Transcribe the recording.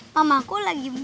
mamaku lagi mampus